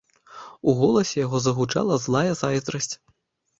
У голасе яго загучала злая зайздрасць.